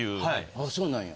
あそうなんや。